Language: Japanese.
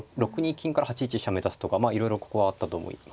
金から８一飛車目指すとかまあいろいろここはあったと思います。